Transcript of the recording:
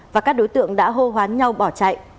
và các đối tượng đã hô hoán nhau bỏ chạy